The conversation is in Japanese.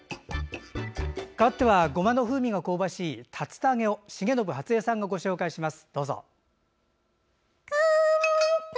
かわってはごまの風味が香ばしい竜田揚げを重信初江さんがご紹介します。